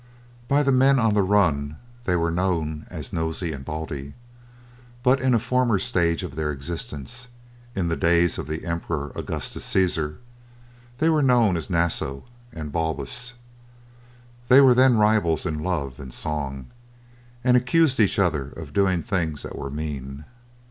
By the men on the run they were known as Nosey and Baldy, but in a former stage of their existence, in the days of the Emperor Augustus Cæsar, they were known as Naso and Balbus. They were then rivals in love and song, and accused each other of doing things that were mean.